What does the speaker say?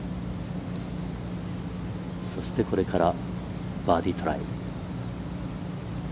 そして、これからバーディートライ。